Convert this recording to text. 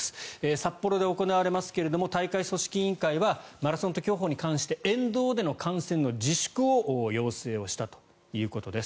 札幌で行われますが大会組織委員会はマラソンと競歩に関して沿道での観戦の自粛を要請をしたということです。